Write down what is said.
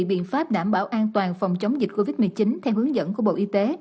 biện pháp đảm bảo an toàn phòng chống dịch covid một mươi chín theo hướng dẫn của bộ y tế